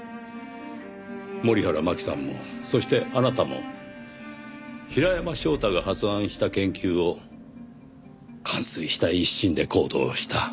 森原真希さんもそしてあなたも平山翔太が発案した研究を完遂したい一心で行動した。